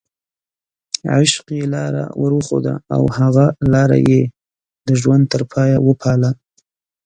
عشق یې لاره ورښوده او هغه لاره یې د ژوند تر پایه وپالله.